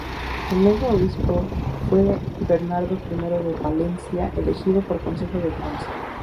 El nuevo obispo fue Bernardo I de Palencia, elegido por consejo de Ponce.